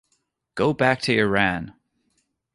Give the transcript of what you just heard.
Go back to Iran!